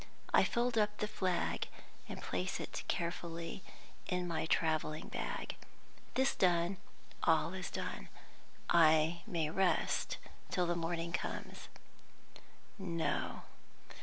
I fold up the flag and place it carefully in my traveling bag. This done, all is done. I may rest till the morning comes. No!